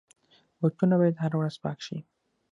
بوټونه باید هره ورځ پاک شي.